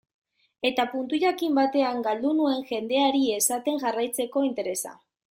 Eta puntu jakin batean galdu nuen jendeari esaten jarraitzeko interesa.